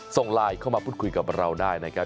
ส่งไลน์เข้ามาพูดคุยกับเราได้นะครับ